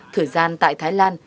thời gian tại thái lan